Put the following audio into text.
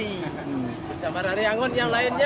bersama raryangon yang lainnya